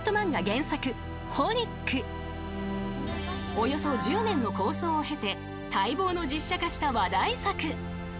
［およそ１０年の構想を経て待望の実写化した話題作］